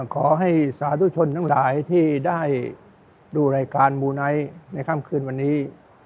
ขอให้สาธุชนทั้งหลายที่ได้ดูรายการมูไนท์ในค่ำคืนวันนี้